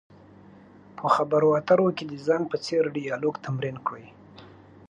په خبرو اترو کې د ځان په څېر ډیالوګ تمرین کړئ.